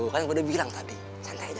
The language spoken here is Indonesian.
kan saya sudah bilang tadi santai aja